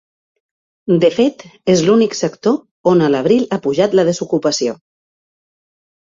De fet, és l’únic “sector” on a l’abril ha pujat la desocupació.